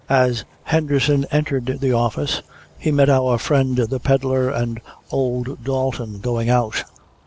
As Henderson entered the office, he met our friend the pedlar and old Dalton going out.